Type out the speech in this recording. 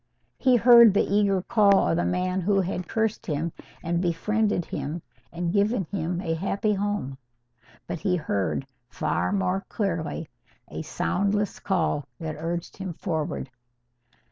He heard the eager call of the man who had cured him and befriended him and given him a happy home. But he heard far more clearly a soundless call that urged him forward.